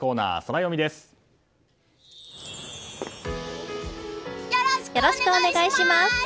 よろしくお願いします！